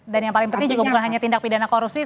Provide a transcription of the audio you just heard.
dan yang paling penting juga bukan hanya tindak pidana korusi